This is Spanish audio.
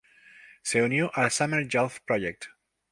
Se unió al "Summer Youth Project".